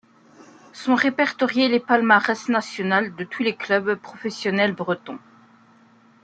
Sont répertorier les palmarès national de tous les clubs professionnel breton.